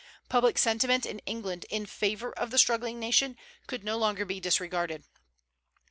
Public sentiment in England in favor of the struggling nation could no longer be disregarded.